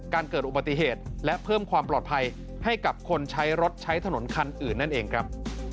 เกิดอุบัติเหตุและเพิ่มความปลอดภัยให้กับคนใช้รถใช้ถนนคันอื่นนั่นเองครับ